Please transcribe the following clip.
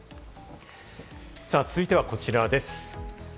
続いてはこちらです。